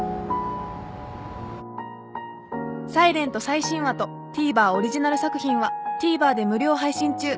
［『ｓｉｌｅｎｔ』最新話とＴＶｅｒオリジナル作品はＴＶｅｒで無料配信中］